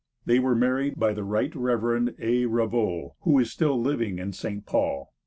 They were married by the Right Reverend A. Ravoux, who is still living in St. Paul.